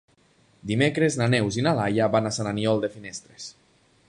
Dimecres na Neus i na Laia van a Sant Aniol de Finestres.